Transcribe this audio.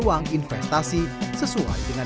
bahkan di sisi sumber